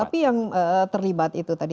tapi yang terlibat itu tadi